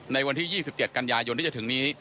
ในวันที่๒๗กันยายนที่จะถึงนี้